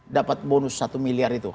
dapat bonus satu miliar itu